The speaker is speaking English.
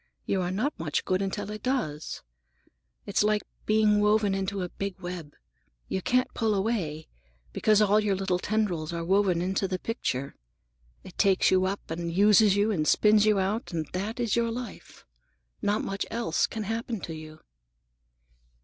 You are not much good until it does. It's like being woven into a big web. You can't pull away, because all your little tendrils are woven into the picture. It takes you up, and uses you, and spins you out; and that is your life. Not much else can happen to you."